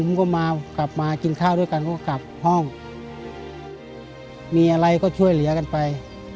ผมก็มากลับมากินข้าวด้วยกันก็กลับห้องมีอะไรก็ช่วยเหลือกันไป